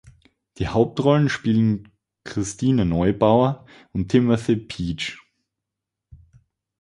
Die Hauptrollen spielen Christine Neubauer und Timothy Peach.